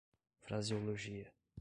fraseologia